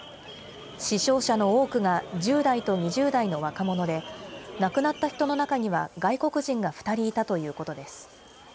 死傷者の多くが１０代と２０代の若者で、亡くなった人の中には外国人が２人いたということです。